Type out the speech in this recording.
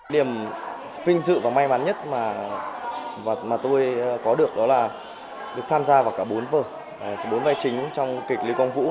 điểm vinh dự và may mắn nhất mà tôi có được đó là được tham gia vào cả bốn vở bốn vai chính trong kịch lưu quang vũ